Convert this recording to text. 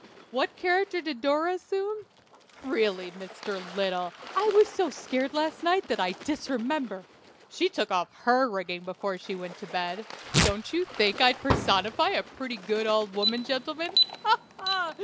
What character did Dora assume? Really, Mr. Little, I was so scared last night that I disremember. She took off her rigging before she went to bed. Don't you think I'd personify a pretty good old woman, gentlemen ha! ha!